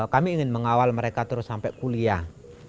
kami ingin mengawal mereka terus sampai kuliah